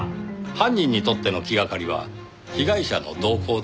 犯人にとっての気掛かりは被害者の動向です。